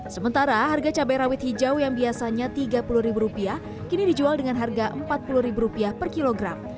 sementara harga cabai rawit hijau yang biasanya tiga puluh ribu rupiah kini dijual dengan harga empat puluh ribu rupiah per kilogram